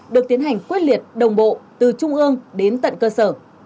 được tiến hành quyết liệt đồng bộ từ trung ương đến tận cơ sở